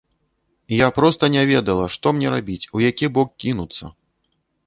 Я проста не ведала, што мне рабіць, у які бок кінуцца.